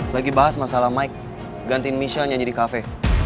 lagi bahas masalah mike gantiin michelle nyanyi di kafe